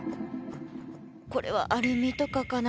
これはアルミとかかな。